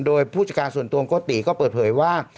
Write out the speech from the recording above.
โดยผู้จัดการส่วนตัวของโกติก็เปิดเผยว่า